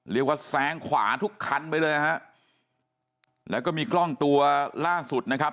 เรียกว่าแสงขวาทุกขันม์ไปเลยฮะแล้วก็มีกล้องตัวล่าสุดนะครับ